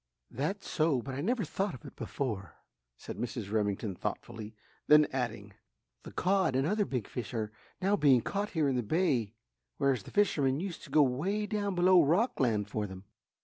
"That's so, but I never thought of it before," said Mrs. Remington thoughtfully, then adding, "The cod and other big fish are now being caught here in the bay whereas the fishermen used to go way down below Rockland for them."